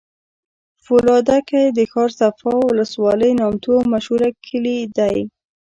فولادګی د ښارصفا ولسوالی نامتو او مشهوره کلي دی